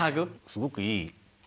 すごくいい。